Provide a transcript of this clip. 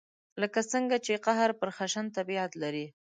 لکه څنګه چې قهر پر خشن طبعیت لري.